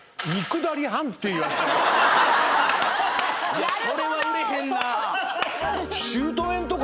いやそれは売れへんな。